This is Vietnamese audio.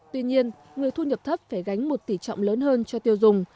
tuy nhiên người thu nhập thấp phải gánh một tỷ trọng lớn hơn cho tiêu dùng